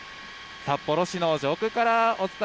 札幌市の上空からお伝え